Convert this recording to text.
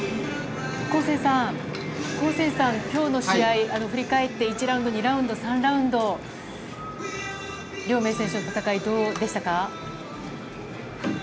恒成さん、今日の試合振り返って、１ラウンド、２ラウンド、３ラウンド、亮明選手の戦いどうでしたか？